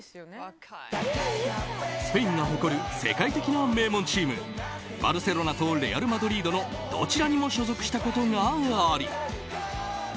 スペインが誇る世界的な名門チームバルセロナとレアル・マドリードのどちらにも所属したことがあり